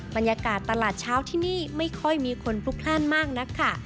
บรรยากาศตลาดเช้าที่นี่ไม่ค่อยมีคนพลุกพลาดมากนักค่ะ